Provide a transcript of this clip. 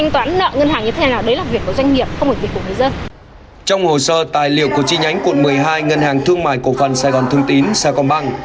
trong hồ sơ tài liệu của chi nhánh quận một mươi hai ngân hàng thương mại cổ phần sài gòn thương tín sa công băng